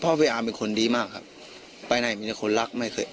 เพราะพี่อาร์มเป็นคนดีมากครับไปไหนมีแต่คนรักไม่เคย